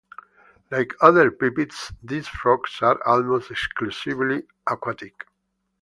Like other pipids, these frogs are almost exclusively aquatic.